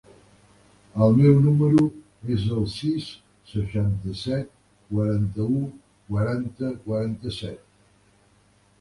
El meu número es el sis, seixanta-set, quaranta-u, quaranta, quaranta-set.